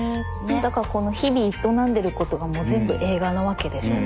だからこの日々営んでることが全部映画なわけでしょ。